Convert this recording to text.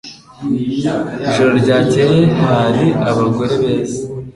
Ijoro ryakeye hari abagore beza